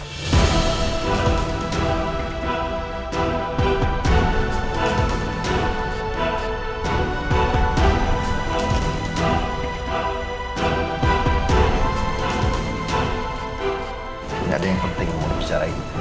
gak ada yang penting mau dibicarain